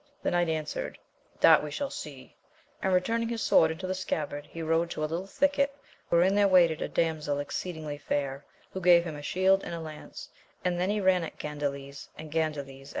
The knight answered, that we shall see, and returning his sword into the scabbard, he rode to a little thicket wherein there waited a damsel exceedingly fair, who gave him a shield and a lance, and then he ran at Gandales, and Gandales at him.